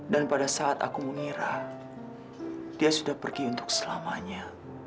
dan pada saat aku mengira dia sudah pergi untuk selamanya